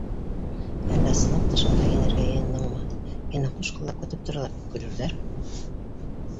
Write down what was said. Әллә ысынлап та шунда инергә йыйындыңмы, һине ҡушҡуллап көтөп торалар тип көлөрҙәр.